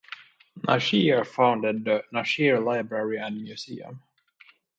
Nashir founded the "Nashir Library and Museum".